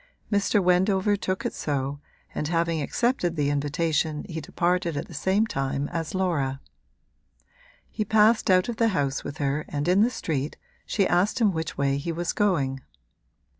Mr. Wendover took it so, and having accepted the invitation he departed at the same time as Laura. He passed out of the house with her and in the street she asked him which way he was going.